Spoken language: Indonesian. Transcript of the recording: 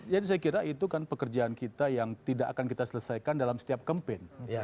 jadi saya kira itu kan pekerjaan kita yang tidak akan kita selesaikan dalam setiap kempen